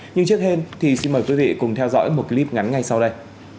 nhưng trước hết thì xin mời quý vị cùng theo dõi một clip ngắn ngay sau đây